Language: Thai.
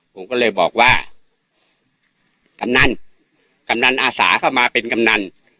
ผมก็เลยบอกว่ากำนันกำนันอาสาเข้ามาเป็นกำนัน